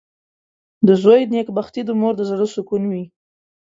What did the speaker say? • د زوی نېکبختي د مور د زړۀ سکون وي.